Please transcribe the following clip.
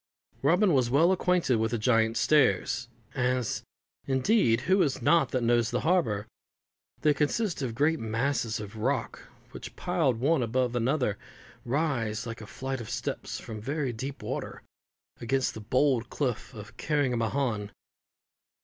Robin was well acquainted with the Giant's Stairs as, indeed, who is not that knows the harbour? They consist of great masses of rock, which, piled one above another, rise like a flight of steps from very deep water, against the bold cliff of Carrigmahon.